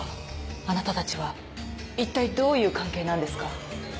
あなたたちは一体どういう関係なんですか？